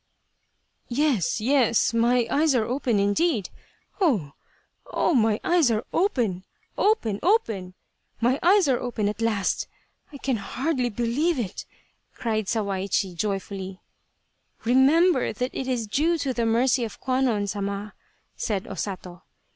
" Yes, yes, my eyes are open indeed ! Oh, oh, my eyes are open, open, open ! My eyes are open at last ! 1 can hardly believe it," cried Sawaichi, joyfully. " Remember that it is due to the mercy of Kwannon Sama," said O Sato.